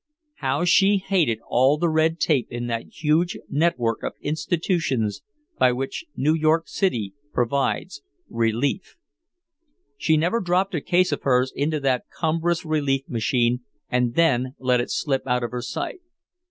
How she hated all the red tape in that huge network of institutions by which New York City provides "relief." She never dropped a case of hers into that cumbrous relief machine and then let it slip out of her sight.